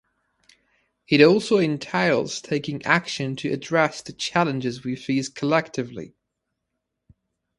It also entails taking action to address the challenges we face collectively.